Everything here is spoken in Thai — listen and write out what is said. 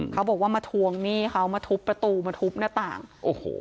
เขาบอกว่ามาทวงหนี้เขามาทุบประตูมาทุบหน้าต่างโอ้โห